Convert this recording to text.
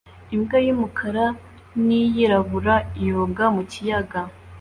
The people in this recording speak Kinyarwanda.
Imbwa y'umukara n'iyirabura yoga mu kiyaga